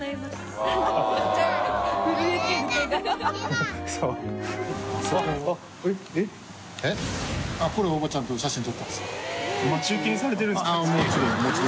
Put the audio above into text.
◆舛叩海おばちゃんと写真撮ったんです。